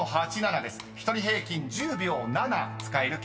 ［１人平均１０秒７使える計算］